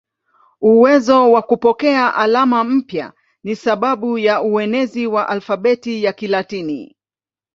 Uwezo wa kupokea alama mpya ni sababu ya uenezi wa alfabeti ya Kilatini.